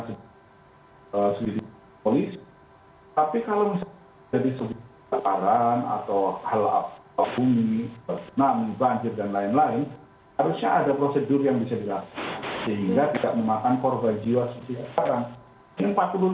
sehingga tidak memakan korban jiwa sisi sekarang